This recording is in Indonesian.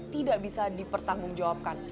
tidak bisa dipertanggung jawab